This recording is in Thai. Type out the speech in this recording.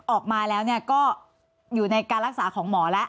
ออกมาแล้วเนี่ยก็